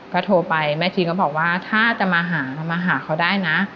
ก็โทรไปแม่ชีก็บอกว่าถ้าจะมาหามาหาเขาได้นะ